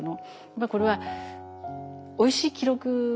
これはおいしい記録ですよね。